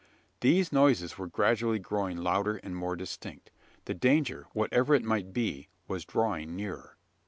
These noises were gradually growing louder and more distinct. The danger, whatever it might be, was drawing nearer!